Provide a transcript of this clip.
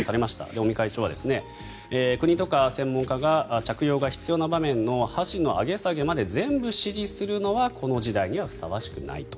尾身会長は国とか専門家が着用が必要な場面の箸の上げ下げまで全部指示するのはこの時代にはふさわしくないと。